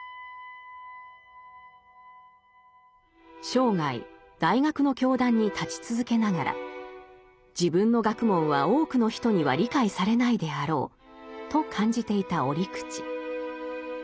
生涯大学の教壇に立ち続けながら自分の学問は多くの人には理解されないであろうと感じていた折口。